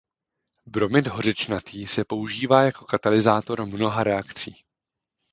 Bromid hořečnatý se používá jako katalyzátor mnoha reakcí.